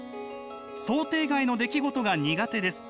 「想定外の出来事が苦手です。